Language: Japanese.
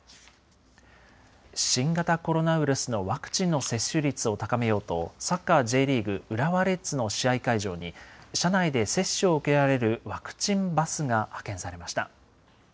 新型コロナウイルスのワクチンの接種率を高めようと、サッカーＪリーグ・浦和レッズの試合会場に、車内で接種を受けられるワクチンバスが派遣されました。